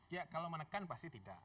ya kalau menekan pasti tidak